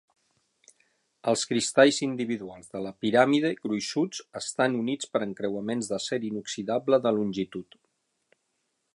Els cristalls individuals de la piràmide, gruixuts, estan units per encreuaments d'acer inoxidable de longitud.